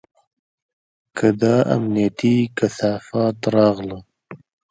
که دا امنيتي کثافات راغله.